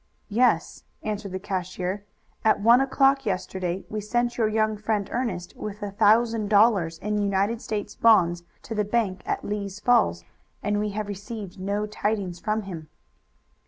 "Yes," answered the cashier. "At one o'clock yesterday we sent your young friend Ernest with a thousand dollars in United States bonds to the bank at Lee's Falls, and we have received no tidings from him."